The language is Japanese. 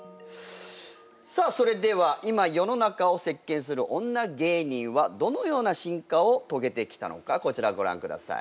さあそれでは今世の中を席けんする女芸人はどのような進化を遂げてきたのかこちらご覧ください。